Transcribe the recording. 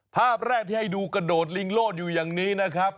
ภาพแรกที่ให้ดูกระโดดลิงโลดอยู่อย่างนี้นะครับ